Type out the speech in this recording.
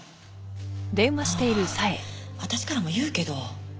私からも言うけど。